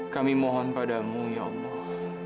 kami mohon padamu ya allah